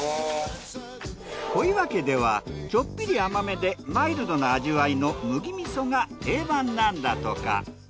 小岩家ではちょっぴり甘めでマイルドな味わいの麦味噌が定番なんだとか。